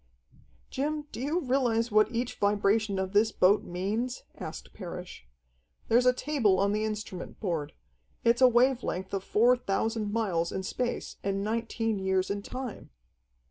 "Jim, do you realize what each vibration of this boat means?" asked Parrish. "There's a table on the instrument board. It's a wave length of four thousand miles in space and nineteen years in time."